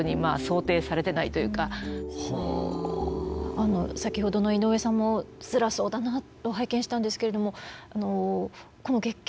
あの先ほどの井上さんもつらそうだなと拝見したんですけれどもこの月経